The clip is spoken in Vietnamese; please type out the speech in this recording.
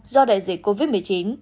do đại dịch covid một mươi chín